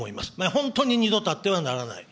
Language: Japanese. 本当に二度とあってはならない。